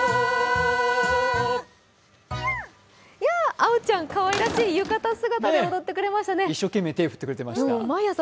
あおちゃん、かわいらしい浴衣姿で踊ってくれましたね。